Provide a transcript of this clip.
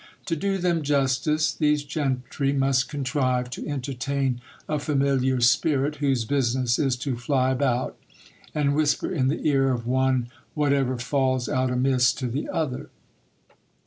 To do them justice, these gentry must contrive to entertain a familiar spirit, whose business is to fly about, and whisper in the ear of one whatever falls out amiss to the other.